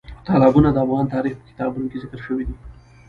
تالابونه د افغان تاریخ په کتابونو کې ذکر شوي دي.